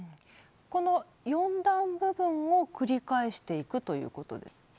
この４段部分を繰り返していくということ？